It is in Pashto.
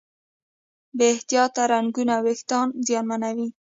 بې احتیاطه رنګونه وېښتيان زیانمنوي.